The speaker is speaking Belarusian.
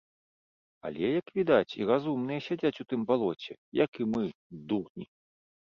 Але, як відаць, і разумныя сядзяць у тым балоце, як і мы, дурні!